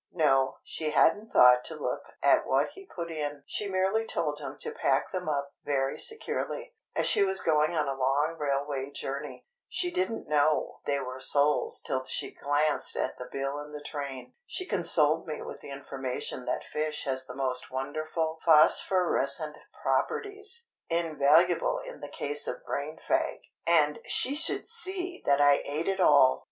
No, she hadn't thought to look at what he put in; she merely told him to pack them up very securely, as she was going on a long railway journey. She didn't know they were soles till she glanced at the bill in the train. She consoled me with the information that fish has the most wonderful phosphorescent properties, invaluable in the case of brain fag; and she should see that I ate it all!